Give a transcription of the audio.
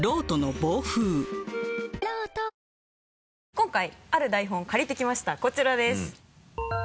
今回ある台本を借りてきましたこちらです。